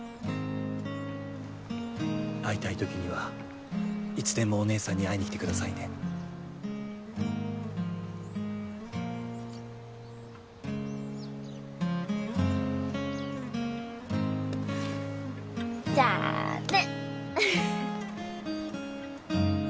会いたい時にはいつでもお姉さんに会いに来てくださいねじゃあね